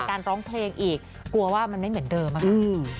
ร้องเพลงอีกกลัวว่ามันไม่เหมือนเดิมอะค่ะ